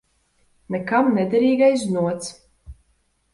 Nekam nederīgais znots.